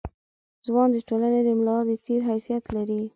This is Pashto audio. ځوان د ټولنې د ملا د تیر حیثیت لري.